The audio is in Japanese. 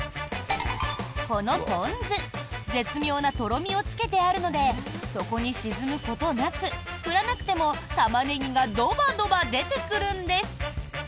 このポン酢絶妙なとろみをつけてあるので底に沈むことなく振らなくてもタマネギがドバドバ出てくるんです！